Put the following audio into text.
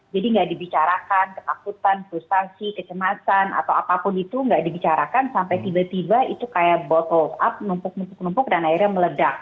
jadi nggak dibicarakan kekakutan frustasi kecemasan atau apapun itu nggak dibicarakan sampai tiba tiba itu kayak botol up numpuk numpuk dan airnya meledak